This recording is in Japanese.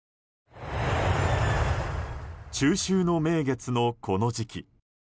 中秋の名月の、この時期。